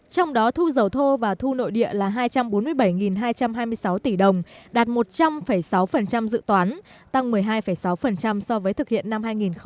trong đó thu dầu thô và thu nội địa là hai trăm bốn mươi bảy hai trăm hai mươi sáu tỷ đồng đạt một trăm linh sáu dự toán tăng một mươi hai sáu so với thực hiện năm hai nghìn một mươi tám